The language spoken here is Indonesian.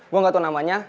gue gak tau namanya